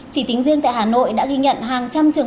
chỉ tính riêng tại hà nội đã ghi nhận hàng trăm trường hợp